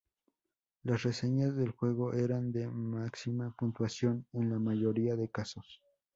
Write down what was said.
Las reseñas del juego eran de máxima puntuación en la mayoría de casos.